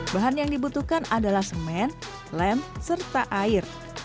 bahan yang dibutuhkan adalah semen lem serta air